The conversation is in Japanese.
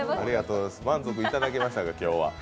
満足いただけましたか、今日は？